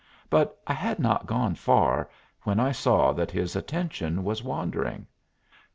But I had not gone far when I saw that his attention was wandering.